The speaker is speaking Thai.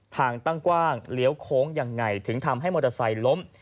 ทางตั้งกว้างเลี้ยวโค้งยังไงถึงทำให้มอเตอร์ไซค์ล้ม